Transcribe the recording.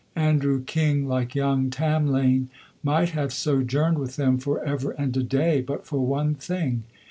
Andrew King, like young Tamlane, might have sojourned with them for ever and a day, but for one thing.